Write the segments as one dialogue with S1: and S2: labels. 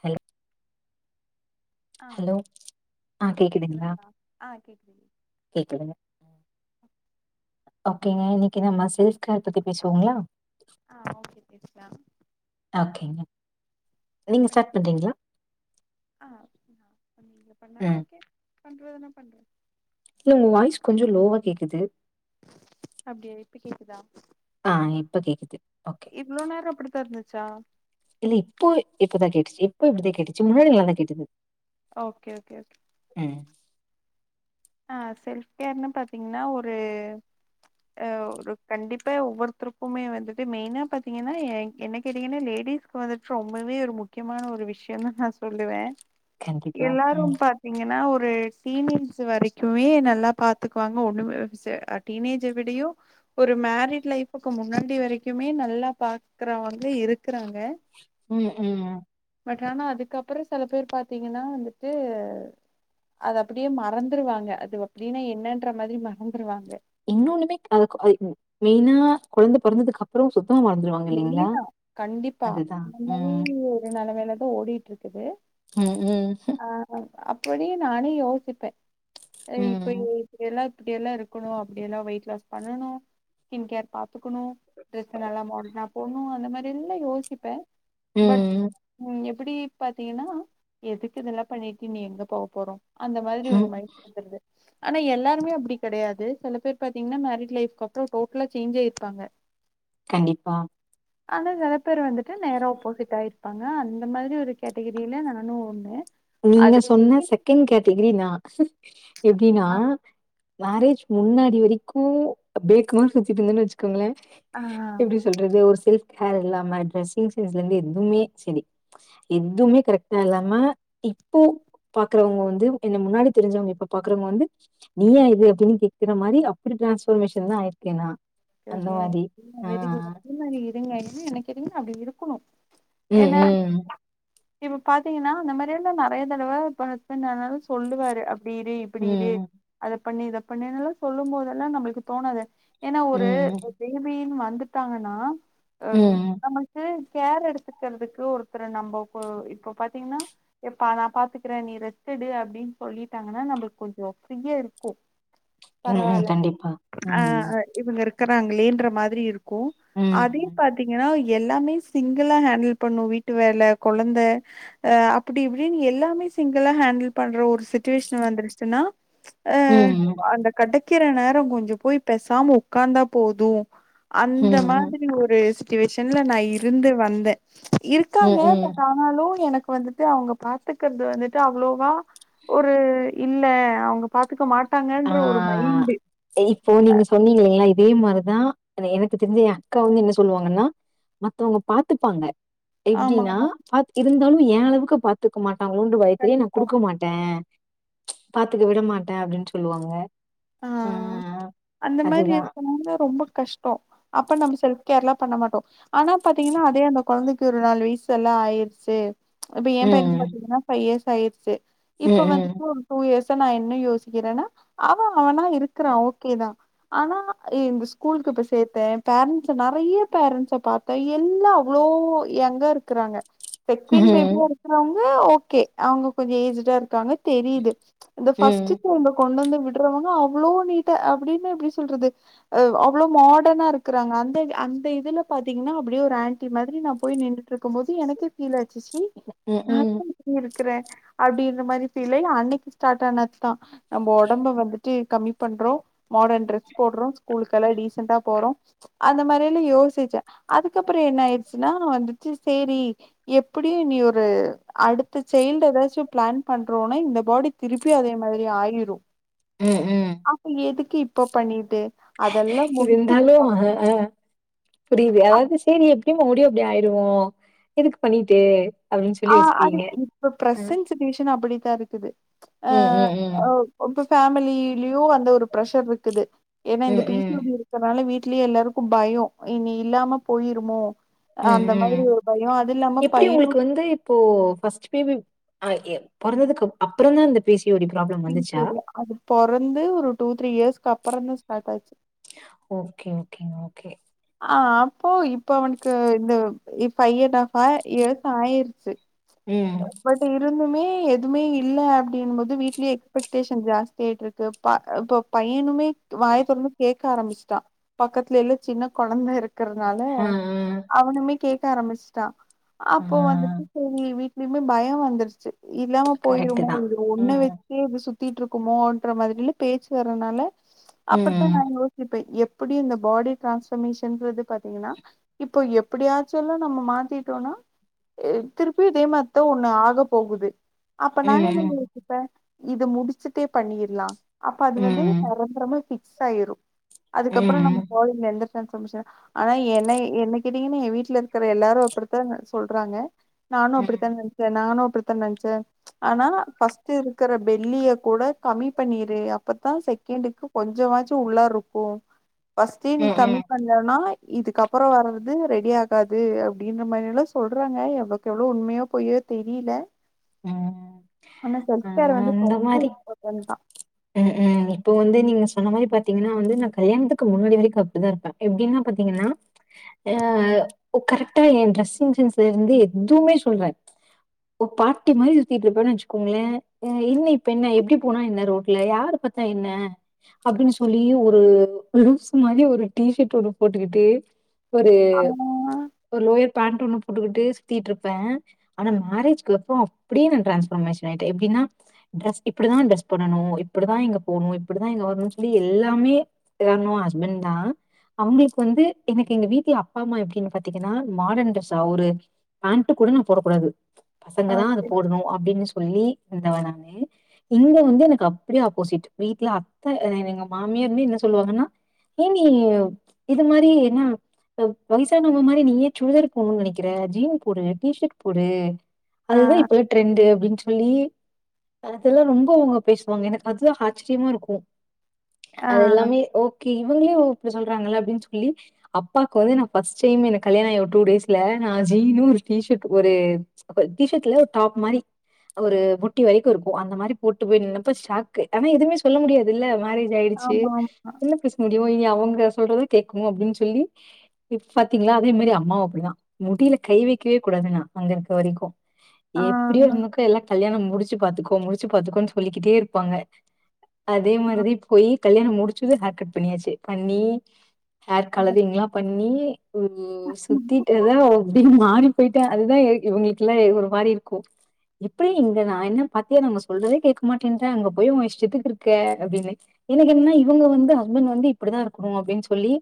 S1: Hello
S2: ஆ
S1: hello
S2: கேக்குதுங்களா ஆ கேக்குதுங்க
S1: கேக்குதுங்க ஓகேங்க இன்னிக்கு நம்ம செல்ஃப் கேர் பத்தி பேசுவோங்ளா
S2: ஆ ஓகே கேக்குதா
S1: ஓகேங்க
S2: கட்
S1: நீங்க
S2: பண்
S1: ஸ்டார்ட் பண்றீங்ளா
S2: ஆ
S1: ம்
S2: பண்டுவே தன பண்டவே
S1: இல்ல உங்க வாய்ஸ் கொஞ்சோ லோவா கேக்குது
S2: அப்டியா இப்ப கேக்குதா
S1: ஆ இப்ப கேக்குது ஓகே
S2: இவ்ளோ நேரோ அப்டி தாருந்துச்சா
S1: இல்ல இப்போ இப்பதா கேட்டுச்சு இப்போ இப்டித்தா கேட்டுச்சு முன்னாடி நல்லா தா கேட்டுது
S2: ஓகே ஓகே ஓகே
S1: ம்
S2: ஆ செல்ஃப் கேர்ன்னு பாத்தீங்கன்னா ஒரு ஆ ஒரு கண்டிப்பா ஒவ்வொருத்தருக்குமே வந்துட்டு மெயினா பாத்தீங்கன்னா ஏ என்ன கேட்டீங்கன்னா லேடிஸ் இப்போ வந்துட்டு ரொம்பவே ஒரு முக்கியமான ஒரு விஷயோ தா நா சொல்லுவே
S1: கண்டிப்பா
S2: எல்லாரு
S1: ம்
S2: பாத்தீங்கன்னா ஒரு சீமன்ஸ் வரைக்கு மே நல்லா பாத்துக்குவாங்க ஒண்ணுமே செ டீனேஜ விடயு ஒரு மேரிட் லைஃப்க்கு முன்னாடி வரைக்குமே நல்லா பாக்குறவங்க இருக்கிறாங்க
S1: ம் ம்
S2: பட் ஆனா அதுக்கப்றோ செல பேர் பாத்தீங்கன்னா வந்துட்டு அத அப்டியே மறந்துருவாங்க அது அப்டின்னா என்னன்ற மாரி மறந்துருவாங்க
S1: இன்னொன்னுமே [unintelligible] அ மெயினா கொழந்த பொறந்ததுக்கப்புறோ சுத்தமா மறந்துருவாங்க இல்லைங்களா
S2: வெளனா கண்டிப்பா
S1: அதுதா
S2: அந்த
S1: ம்
S2: மாதிரி ஒரு நிலமைல தா ஓடிட்டுருக்குது
S1: ம் ம் ம்
S2: ஆ அப்டி நானே யோசிப்பே அத இப்ப
S1: ம்
S2: யோசி அப்டியெல்லா இப்டியெல்லா இருக்கணு அப்டியெல்லா வெயிட் லாஸ் பண்ணணு ஸ்கின் கேர் பாத்துக்கணு டிரெஸ் நல்லா மாத் நா போட்ணு அந்த மாதிரி எல்லா யோசிப்பே பட்
S1: ம்
S2: ம் எப்டி பாத்தீங்கன்னா எதுக்கு இதெல்லா பண்ணிட்டு இனி எங்க போக போறோ அந்த மாதிரி ஒரு
S1: ம்
S2: மயிண்ட் வந்துருது ஆனா எல்லாருமே அப்டி கெடையாது சில பேர் பாத்தீங்கன்னா மேரேஜ் லைஃபுக்கு அப்பறோ டோட்டலா சேஞ்ச் ஆயிருப்பாங்க
S1: கண்டிப்பா
S2: ஆனா செல பேர் வந்துட்டு நேர ஆப்போசிட் ஆயி ருப்பாங்க அந்த மாதிரி ஒரு கேட்டகிரில நானு ஒண்ணு
S1: நீங்க
S2: அது
S1: சொன்ன செகண்ட் கேட்டகரி நா எப்டின்னா மேரேஜ் முன்னாடி வரைக்கு பேக்குமாறி சுத்திட்டு இருந்தேன்னு வச்சுக்கோங்களே
S2: ஆ
S1: சொல்றது ஒரு செல்ஃப் ஹேர் இல்லாம டிரெஸ்ஸிங் சென்ஸ்ல இருந்து எதுவுமே செரி எதுமே கரெக்ட்டா இல்லாம இப்போ பாக்குறவங்க வந்து என்ன முன்னாடி தெரிஞ்சவங்க இப்ப பாக்குறவங்க வந்து நீயா இது அப்டின்னு கேக்குற மாறி அப்டி டிரான்ஸ்பமேஷன் தான் ஆயிருக்கு
S2: ஓகே [unintelligible] நீங்க என்ன நெனைக்கிறீங்களோ அப்டி இருக்கணு
S1: ம்,
S2: ஏன்னா
S1: ம்.
S2: இப்ப பாத்தீங்கன்னா அந்த மாதிரியெல்லா நெறைய தடவ இப்ப ஹஸ்பண்ட் ஆனாலு சொல்லுவாரு அப்டி இரு இப்டி இரு
S1: ம்,
S2: அத பண்ணு இத பண்ணுணுல்ல சொல்லும் போதெல்லா நம்மளுக்கு தோணாது ஏன்னா ஒரு
S1: ம்,
S2: [unintelligible] வந்துட்டாங்கன்னா
S1: ம்
S2: க்கு‌ கேர் எடுத்துக்கிறதுக்கு ஒருத்தர நம்ப இப்போ பாத்திங்கனா எப்பா நா பாத்துக்கிறே நீ ரெஸ்ட் எடு அப்டின்னு சொல்லிட்டாங்கன்னா நம்ளுக்கு கொஞ்சோ ப்ரீயா இருக்கு
S1: ம், ம்.
S2: பரவால்ல
S1: கண்டிப்பா.
S2: ஆ
S1: ம்,
S2: இவுங்க இருக்கறாங்களேன்ற மாதிரி இருக்கு அதே
S1: ம்,
S2: பாத்தீங்கன்னா எல்லாமே சிங்கிளா ஹேண்டில் பண்ணு வீட்டு வேல கொழந்தை அ அப்டி இப்டின்னு எல்லாமே சிங்கிளா ஹேண்டில் பண்ற ஒரு சிச்சுவேஷன் வந்துருச்சுன்னா ஆ
S1: ம்,
S2: அந்த கெடைக்கிற நேரோ கொஞ்சோ போய் பேசாம உக்காந்தா போது அந்த
S1: ம்.
S2: மாதிரி ஒரு சச்சுவேஷன்ல நா இருந்து வந்தே
S1: ம்,
S2: இருக்காங்க
S1: ம்.
S2: ஆனாலு எனக்கு வந்துட்டு அவுங்க பாத்துக்கறது வந்துட்டு அவ்ளோவா ஒரு இல்ல அவுங்க பாத்துக்க
S1: ஆ
S2: மாட்டாங்கன்ற ஒரு மைண்டு்
S1: இப்போ நீங்க சொன்னீங்கல்லிங்களா இதே மாரிதா எனக்கு தெரிஞ்ச என் அக்காவு என்ன சொல்லுவாங்கன்னா மத்தவுங்க பாத்துப்பாங்க எப்டின்னா
S2: ஆமாமா.
S1: பா இருந்தாலு ஏ அளவுக்கு பாத்துக்க மாட்டாங்களோன்ற பயத்துல நா
S2: கண்டிப்பா.
S1: குடுக்க மாட்டே பாத்துக்க விட மாட்டே அப்டின்னு சொல்லுவாங்க
S2: ஆ அந்த மாதிரி
S1: அதுதான்.
S2: இருக்குனும்னா ரொம்ப கஷ்டோ அப்ப நம்ம செல்ப் கேர்லா பண்ண மாட்டோ ஆனா பாத்தீங்கன்னா அதே அந்த கொழந்தைக்கு ஒரு நாலு வயசு எல்லா ஆயிருச்சு இப்ப எ பையனுக்கு
S1: ம்.
S2: பாத்தீங்கன்னா ஃபைவ் இயர்ஸ் ஆயிருச்சு
S1: ம்,
S2: இப்ப
S1: ம்.
S2: வந்துட்டு டூ இயர்ஸா நா என்ன யோசிக்கிறேனா அவனா இருக்குறா ஓகே தா ஆனா இந்த ஸ்கூலுக்கு இப்ப சேத்தே பேரன்ட்ஸ் நெறைய பேரன்ட்ஸ பாத் தே எல்லா அவ்வளோ யெங்கா இருக்குறாங்க செகண்ட்
S1: ம்.
S2: பேபியா இருக்கிறவுங்க ஓகே அவுங்க கொஞ்சோ ஏஜ்டா இருக்காங்க தெரியுது இந்த ஃபர்ஸ்ட்
S1: ம்.
S2: கொழந்த கொண்டு வந்து விட் றவுங்க அவ்ளோ நீட்டா அப்டின்னா எப்டி சொல்றது அ அவ்ளோ மாடர்னா இருக்குறாங்க அந்த அந்த இதுல பாத்தீங்கன்னா அப்டியே ஒரு ஆன்டி மாதிரி நா போய் நின்டுட்ருக் போது எனக்கே பீல் ஆச்சி
S1: ம் ம்
S2: இருக்கிறே அப்படின்ற மாரி பீல்லாகி அன்னைக்கு ஸ்டார்ட் ஆனது தா நம்ம ஒடம்ப வந்து ந்துட்டு கம்மி பண்றோ மாடர்ன் ட்ரெஸ் போடுறோ ஸ்கூலுக்கெல்லா டீசெண்டா போறோ அந்த மாரி எல்லா யோசிச்சே அதுக்கப்புறோ என்ன ஆயிடுச்சுன்னா வந்துட்டு சேரி எப்படியு இன்னி ஒரு அடுத்த சைல்டு ஏதாச்சு பிளான் பண்றோனா இந்த பாடி திருப்பி அதே மாதிரி ஆயிரு
S1: ம் ம்
S2: அப்போ எதுக்கு இப்ப பண்ணிட்டு அதெல்லா
S1: இருந்தாலு
S2: முடிச்சதுக்கு
S1: அ அ புரியுது அதாவது செரி எப்படிய மருபடியு அப்படி ஆயிருவோ எதுக்கு பண்ணிட்டு அப்டின்னு
S2: ஆ
S1: சொல்லி
S2: அது
S1: யோசிக்கிறீங்க.
S2: இப்ப
S1: அ.
S2: பிரசன்ட் சுச்சுவேஷன் அப்படித்தா இருக்குது அ
S1: ம், ம், ம்.
S2: ரொம்ப ஃபேமிலிலையு வந்த ஒரு ப்ரஷர் இருக்குது ஏன்னா இந்த
S1: ம்,
S2: பீஸ்
S1: ம்.
S2: பி சி ஓடி இருக்கறனால வீட்லயே எல்லாருக்கு பயோ இனி இல்லாம போயிருமோ
S1: ம்
S2: அந்த
S1: ம்
S2: மாதிரி ஒரு பயோ அது இல்லாம
S1: எப்டி
S2: பையனு
S1: உங்களுக்கு வந்து இப்போ ஃபஸ்ட் பேபி அ எ பொறந்ததுக்கு அப்புறோந்தா அந்த பிசியோடி ப்ராப்ளம்
S2: பி சி
S1: வந்துச்சா
S2: ஓ டி அது பொறந்து ஒரு டூ த்ரீ இயர்ஸ்கு அப்புறோப்தா ஸ்டார்ட் ஆயிச்சு
S1: ஓக்கே ஓக்கே ஓக்கே
S2: ஆ அப்போ இப்ப அவனுக்கு இந்த பைவ் அண்ட் ஹாப் இயர்ஸ் ஆயிருச்சு
S1: ம்
S2: பட் இருந்துமே எதுவுமே இல்ல அப்படினும் போது வீட்டுலையு எக்ஸ்பெட்டேஷன் ஜாஸ்தி ஆயிட்டு இருக்கு ப இப்ப பையனுமே வாயத்தொரந்து கேட்க ஆரம்பிச்சுட்டா பக்கத்துலெல்லா சின்ன கொழந்த இருக்கு இருக்கிறதுனால
S1: ஆ ஆ
S2: அவனுமே கேட்க ஆரம்பிச்சிட்டா
S1: ஆ
S2: அப்போ வந்துட்டு செரி வீட்டு மே பயம் வந்துருச்சு இல்லாம
S1: கரெக்ட்டு தான்
S2: போயிருமோனு ஒன்ன
S1: ம்
S2: வச்சே இது சுத்திட்டு இருக்குமோன்ற மாதிரில பேச்சு வர்ரனால அப்படித்தா நா
S1: ம்
S2: யோசிப்பே எப்படியு இந்த பாடி டிரான்ஸ்வர்மேஷன்றது பாத்தீங்கன்னா இப்போ எப்படியாச்சுல்லா நம்ம மாத்திட்டோனா திருப்பியு இதே மா ஏதோ ஒண்ணு ஆக போகுது அப்ப நா என்னா
S1: ம்
S2: யோசிப்ப இத முடிச்சுட்டே பண்ணிடலா அப்ப அது
S1: ம்
S2: வந்து
S1: ம்
S2: ரொம்ப ரொம்ப பிக்ஸ் ஆயிரு அதுக்கப்புறோ நம்ம
S1: ம்
S2: பாடி எந்த டிரன்சவமெசனு ஆனா என்னை என்ன கேட்டீங்கன்னா வீட்டுல இருக்கிற எல்லாரு அப்படித்தா சொல்றாங்க நானு அப்படித்தா நெனச்சே நானு அப்படித்தா நெனச்ச ஆனா பர்ஸ்ட் இருக்கற பெள்ளிய கூட கம்மி பண்ணிரு அப்பத்தா செகண்டுக்கு கொஞ்சமாச்சு உள்ள இருக்கும் பஸ்டே நீ
S1: ம்
S2: கம்மி
S1: ம்
S2: பண்ணலேன்னா இதுக்கப்புறோ வர்றது ரெடி ஆகாது அப்படின்ற மாரி எல்லா சொல்றாங்க எவ்வளவுக்கு எவ்வளோ உண்மையோ போய்யோ தெரியல
S1: ம்
S2: ஆனா
S1: ஆ
S2: செல்ப் கேர் வந்து
S1: அந்த
S2: ரொம்ப
S1: மாரி
S2: இப்பார்டன்ட் தா
S1: ம் ம் இப்ப வந்து நீங்க சொன்ன மாரி பாத்தீங்கன்னா வந்து நா கல்யாணத்துக்கு முன்னாடி வரைக்கு அப்படி தா இருப்பே எப்படின்னா பாத்தீங்கன்னா ஆ கரெக்டா எ டிரரெஸ்ஸிங் சென்ஸ்ல இருந்து எதுவுமே சொல்றே ஓ பாட்டி மாரி சுத்திட்டுரிப்பேனு வச்சுக்கோங்களே என்ன இப்ப என்ன எப்படி போனா என்ன ரோட்ல யாரு பாரத்தா என்ன அப்படின்னு சொல்லி ஒரு லூஸ் மாரி ஒரு டீஷர்ட்டு ஒன்னு போட்டுக்கிட்டு ஒரு
S2: ஆ,
S1: ஒரு லோயர் பேண்ட்டு ஒண்ணு போட்டுக்கிட்டு சுத்திட்டு இருப்பே ஆனா மேரேஜ்கப்புறோ அப்படியே நா டான்ஸ்வர்மேஷன் ஆயிட்டே எப்பிடினா ட்ரெஸ் இப்படிதா ட்ரெஸ் பண்ணணு இப்படிதா இங்க போகணு இப்படிதா இங்க வரணு எல்லாமே கார்ணோ ஹஸ்பெண்ட் தா அவுங்ளுக் வந்து எனக் எங்க வீட்லே அப்பா அம்மா எப்டின் பாத்தீங்கன்னா மாடன் ட்ரஸ்ஸா அவுரு பேண்ட்டு கூட நா போடக் கூடாது பசங்க
S2: ஆ,
S1: தா அது
S2: சரி.
S1: போடுணு அப்டினு சொல்லி ந்தவ நானு இங்க வந்து எனக் அப்டியே ஆப்போசிட் வீட்ல அத்த அ எங்க மாமியார்மே என்ன சொல்லுவாங்கன்னா ஏ நீ இது மாரி என்ன அ வயசானவ்ங்க மாரி நீயே சுடிதார் போட்ணுன் நெனைக்கிற ஜீன் போடு டி ஷர்ட் போடு
S2: ஆ,
S1: அதுதா இப்பல்லா ட்ரெண்டு் அப்டின் சொல்லி அதெல்லா ரொம்ப அவ்ங்க பேசுவாங்க எனக்கு அதுதா ஆச்சர்யமா இருக்கு
S2: ஆ,
S1: அது எல்லாமே ஓகே இவங்ளே ஓ இப்டி சொல்றாங்கல்ல அப்டின் சொல்லி அப்பாக் வந்து நா ஃபஸ்ட் டைம் எனக் கல்யாணாயி ஒரு டூ டேஸ்ல நா ஜீனு ஒரு டி ஷர்ட்டு ஒரு அப்ப டி ஷர்ட் இல்ல ஒரு டாப் மாரி ஒரு முட்டி வரைக்கு இருக்கு அந்த மாரி போட்டு போய் நின்னப்ப ஷாக்கு ஆனா எதும்மே சொல்ல முடியாதுல்ல மேரேஜ் ஆயிடுச்சு
S2: ஆமாம்.
S1: என்ன பேச முடியு இனி அவங்க சொல்றத கேக்கணு அப்டின் சொல்லி இப் பாத்தீங்ளா அதே மாரி அம்மாவு அப்பிடிதா முடில கை வெக்கவே கூடாது நா அங்க இருக்க வரைக்கு
S2: ஆ,
S1: எப்பிடியோ இருந்துக்கோ எல்லா கல்யாணம் முடிச்சு பாத்துக்கோ முடிச்சு பாத்துக்கோன் சொல்லிக்கிட்டே இருப்பாங்க அதே மாரிதி போயி கல்யாணம் முடிச்சது ஹேர் கட் பண்ணியாச்சு பண்ணி ஹேர் கலரிங்லா பண்ணி ஒரு
S2: ம்.
S1: சுத்திட்டே தா அப்டி மாறி போய்ட்டே அதுதா இ இவுங்ளுக்கெல்லா எ ஒரு மாரி இருக்கு எப்பிடி இருந்த நா என்ன பாத்தியா நாங்க சொல்றதே கேக்க மாட்டேன்ற அங்க போய் உ இஷ்டத்துக்கு இருக்க அப்டின்னு எனக் என்னன்னா இவுங்க வந்து ஹஸ்பண்ட் வந்து இப்பிடிதா இருக்கணு அப்டின் சொல்லி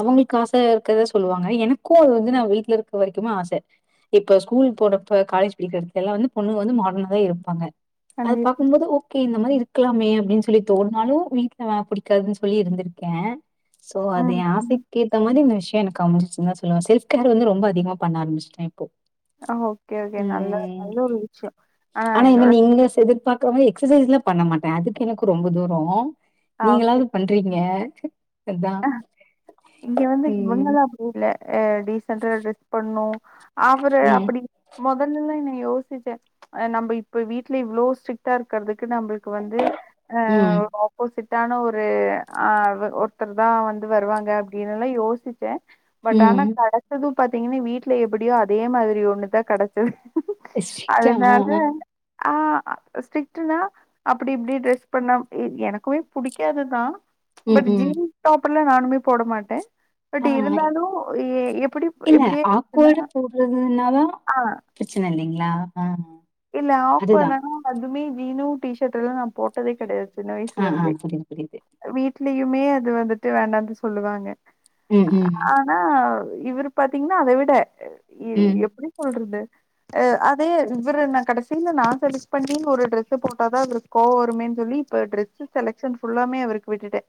S1: அவங்கள்க்கு ஆசயா இருக்கறத சொல்லுவாங்க எனக்கு அது வந்து நா வீட்லருக்க வரைக்குமே ஆச இப்ப ஸ்கூல் போறப்ப காலேஜ் படிக்கிறப்பல்லா வந்து பொண்ணுங்க வந்து மாடனா தா இருப்பாங்க அது
S2: கண்டிப்பா.
S1: பாக்கும்போது ஓகே இந்த மாரி இரு க்கலாமே அப்டின் சொல்லி தோண்னாலு வீட்லல்லா பிடிக்காதுனு சொல்லி இருந்திருக்கே சோ அது
S2: ம்,
S1: எ
S2: ம்.
S1: ஆசைக்கே த்த மாரி இந்த விஷ்யோ எனக்கு அமஞ்சுச்சுன் தா சொல்லுவ செல்ஃப் கேர் வந்து ரொம்ப அதிகமா பண்ண ஆரம்பிஸ்ட்டே இப்போ
S2: ஆ ஓகே ஓகே நல்ல
S1: உம்
S2: நல்ல ஒரு விஷ்யோ ஆனா என்னோட
S1: மைனஸ் எதிர்ப்பா காம எக்சசைஸ்லா பண்ண மாட்டே அதுக்கு எனக்கு ரொம்ப தூரோ
S2: ஆ,
S1: நீங்களாவ்து பண்றீங்க அதா.
S2: ஆ இங்க வந்து
S1: ம்.
S2: [unintelligible] ஊர்ல அ டீசன்ட்டா ட்ரஸ் பண்ணு அவரு
S1: ம்.
S2: அப்பிடி மொதல்லல்லா என்ன யோசிச்ச ஆ நம்ப இப்ப வீட்ல இவ்ளோ ஸ்ட்ரிட்டா இருக்கறதுக்கு நம்பளுக் வந்து ஆ
S1: ம்.
S2: ஒரு ஆப்போசிட்டான ஒரு ஆ அவ ஒரு த்தர் தா வந்து வருவாங்க அப்டின்னெல்லா யோசிச்சே பட் ஆனா
S1: ம்.
S2: கெட ச்சது பாத்தீங்கன்னா வீட்ல எப்பிடியோ அதே மாதிரி ஒன்னுதா கெடச்சது
S1: ஸ்ட்ரிக்ட்டா ஆ
S2: அதுனால
S1: ஆ.
S2: ஆ அ ஸ்ட்ரிட்டுனா அப்புடி இப்டி ட்ரஸ் பண்ணா இ எனக்குமே புடிக்காதுதா
S1: ம்.
S2: பட்
S1: ம்.
S2: ஜீன் டாப் எல்லா நானுமே போட மாட்டே பட்
S1: ஆ
S2: இருந்தாலு எ எ எப்பிடி
S1: இல்ல
S2: இப்பிடியே
S1: ஆக்வர்டா
S2: இருந்தான்னா
S1: போடுறதுனாதா
S2: ஆ
S1: பிரச்சன இல்லீங்ளா ஆ
S2: இல்ல
S1: அதுதா.
S2: ஆக்வேடாலா அதுமே ஜீனு டி ஷர்ட் எல்லா நா போட்டதே கெடையாது சின்ன
S1: ஆ ஆ
S2: வய்சுலருந்தே
S1: புரியுது புரியுது.
S2: வீட்லயுமே அது வந்துட்டு வேண்டான்ட்டு சொல்லுவாங்க
S1: ம் ம் ம்
S2: ஆனா இவரு பாத்தீங்ன்னா அத விட இ
S1: ம்.
S2: எப்பிடி கொல்றது ஆ அதயே இவரு நா கடைசியில நா செலக்ட் பண்ணி ஒரு ட்ரெஸு போட்டாதா இவருக் கோவ வருமே சொல்லி இப்ப டிரெஸு செலக்ஷன் ஃபுல்லாமே அவருக்கு விட்டுட்டே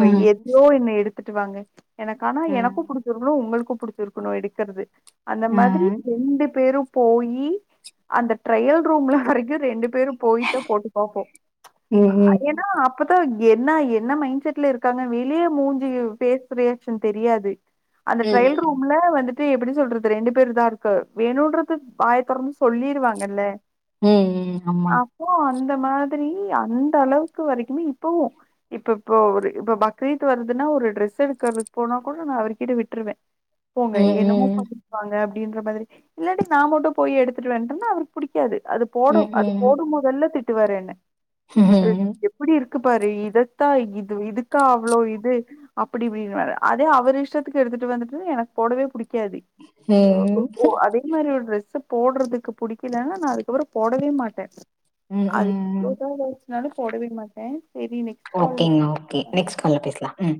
S1: ஆ.
S2: எதையோ என்ன எடுத்துட்டு வாங்க எனக்கானா
S1: ஆ.
S2: எனக்கு புடிச்சிருக்கனு உங்களுக்கு புடிச் சிருக்கனு எடுக்குறது அந்த
S1: ஆ.
S2: மாதிரி ரெண்டு பேரு போயி அந்த ட்ரையல் ரூம்ல வரைக்கு ரெண்டு பேரு போயிதா போட்டு பாப்போ
S1: ம்.
S2: ஆ ஏ
S1: ம்.
S2: னா அப்பதா என்ன என்ன மைண்ட் செட்ல இருக்காங்க வெளிய மூஞ்சிவ் பேஸ் ரியாக்ஷன் தெரியாது அந்த
S1: ம். ம்.
S2: ட்ரயல் ரூம்ல வந்துட்டு எப்டி சொல்றது ரெண்டு பேருதாருக்கு வேணுன்றது வாய தொறந்து சொல்லி ட்டு வாங்கல்ல
S1: உம் உம் அம்மா
S2: ஓ அந்த மாதிரி அந்த அளவுக்கு வரைக்குமே இப்பவூ இப்ப இப்போ அவரு இப்போ பக்ரீத் வருதுனா ஒரு டிரெஸ் எடுக்கறதுக் போனா கூட நா அவர்கிட்ட விட்ருவே போங்க
S1: ம்.
S2: என்னமோ
S1: ம்.
S2: பண்ணிட்டுவாங்க அப்டின்ற மாதிரி இல்லாட்டி நா மட்டு போயி எடுத்துட்டு வந் தா அவருக்கு புடிக்காது அது போடு
S1: ம்.
S2: அது போடும்போதெல்லா திட்டுவாரு என்ன
S1: உம்
S2: எப்புடி இருக்கு பாரு இதத்தா இது இதுக்கா அவ்ளோ இது அப்பிடி இப்டின்னுவாரு அதே அவர் இஷ்டத்துக்கு எடுத்துட்டு வந்துட்டு எனக்கு போடவே புடிக்காது
S1: உம்
S2: இந்த மாதிரி ஒரு டிரெஸ்ஸு போடுறதுக்கு புடிக்கலன்னா நா அதுக்கப்பறோ போடவே மாட்டே
S1: ம்.
S2: அது
S1: ம்.
S2: எவ்ளோதா இருன்ச்சினாலு போடவே மாட்டே செரி நெக்ஸ்
S1: ஓகேங்க ஓகே நெக்ஸ்ட் கால்ல பேசலா ம்